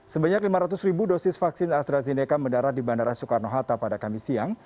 sebanyak lima ratus ribu dosis vaksin astrazeneca mendarat di bandara soekarno hatta pada kamis siang